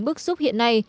bức xúc hiện nay